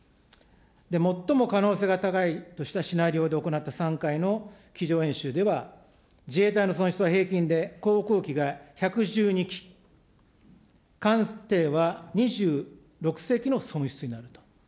最も可能性が高いとしたシナリオで行った３回の机上演習では、自衛隊の損失は平均で、航空機が１１２機、艦艇は２６隻の損失になると。